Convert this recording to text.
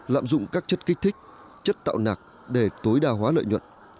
lạm dụng các chất kích thích chất tạo nạc để tối đa hóa lợi nhuận